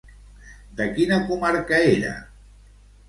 De quina comarca era?